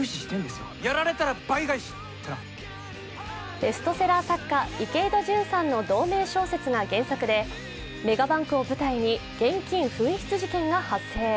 ベストセラー作家・池井戸潤さんの同名小説が原作で、メガバンクを舞台に現金紛失事件が発生。